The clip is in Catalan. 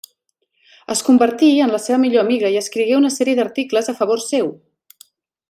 Es convertí en la seva millor amiga i escrigué una sèrie d'articles a favor seu.